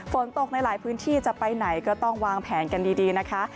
ฝนตกในหลายพื้นที่จะไปไหนก็ต้องวางแผนกันดีนะคะ